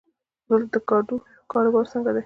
دلته د ګاډو کاروبار څنګه دی؟